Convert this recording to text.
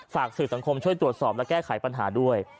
สื่อสังคมช่วยตรวจสอบและแก้ไขปัญหาด้วย